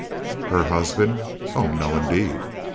Her husband? Oh, no, indeed!